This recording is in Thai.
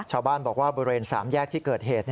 ชาวบ้านบอกว่าบริเวณ๓แยกที่เกิดเหตุ